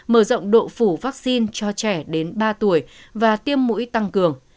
mở rộng độ phủ vaccine cho trẻ đến ba tuổi và tiêm mũi tăng cường